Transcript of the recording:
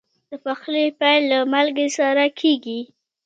د پخلي پیل له مالګې سره کېږي.